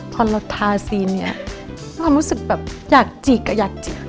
พอเราทาซีนเนี่ยความรู้สึกแบบอยากจิกอ่ะอยากจิก